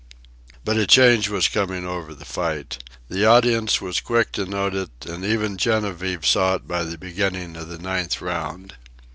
But a change was coming over the fight. The audience was quick to note it, and even Genevieve saw it by the beginning of the ninth round.